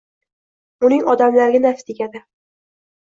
uning odamlarga nafi tegadi